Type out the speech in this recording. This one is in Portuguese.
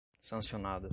sancionado